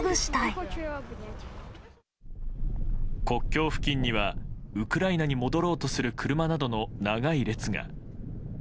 国境付近にはウクライナに戻ろうとする車などの長い列が。